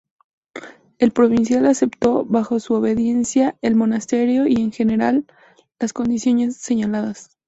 El Provincial aceptó bajo su obediencia el monasterio, y en general las condiciones señaladas.